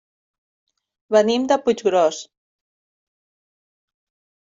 Venim de Puiggròs.